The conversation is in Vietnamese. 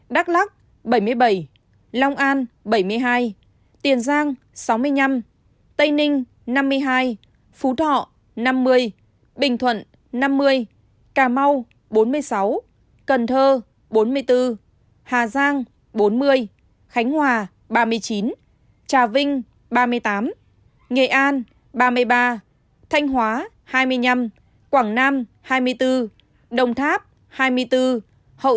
đắk lắc bảy mươi bảy long an bảy mươi hai tiền giang sáu mươi năm tây ninh năm mươi hai phú thọ năm mươi bình thuận năm mươi cà mau bốn mươi sáu cần thơ bốn mươi bốn hà giang bốn mươi khánh hòa ba mươi chín trà vinh ba mươi tám nghệ an ba mươi ba thanh hóa hai mươi năm quảng nam hai mươi bốn đồng tháp hai mươi bốn hậu giang hai mươi ba